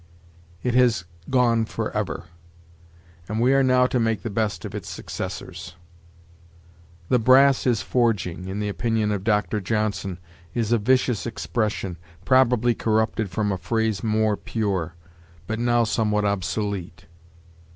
It has gone forever; and we are now to make the best of its successors. '"The brass is forging,"' in the opinion of Dr. Johnson, is 'a vicious expression, probably corrupted from a phrase more pure, but now somewhat obsolete